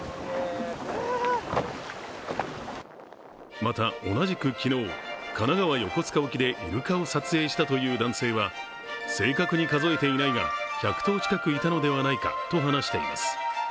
また、同じく昨日、神奈川横須賀沖でイルカを撮影したという男性は正確に数えていないが１００頭近くいたのではないかと話しています。